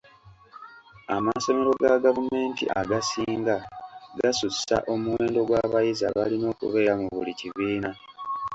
Amasomero ga gavumenti agasinga gasussa omuwendo gw'abayizi abalina okubeera mu buli kibiina.